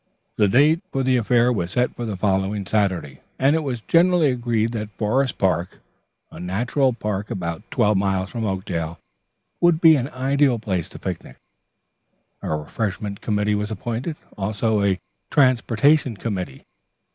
The date for the affair was set for the following Saturday, the weather permitting, and it was generally agreed that Forest Park, a natural park about twelve miles from Oakdale, would be an ideal place to picnic. A refreshment committee was appointed, also a transportation committee.